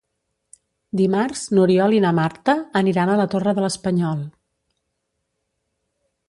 Dimarts n'Oriol i na Marta aniran a la Torre de l'Espanyol.